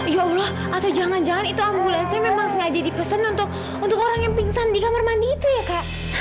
ya allah atau jangan jangan itu ambulansnya memang sengaja dipesan untuk orang yang pingsan di kamar mandi itu ya kak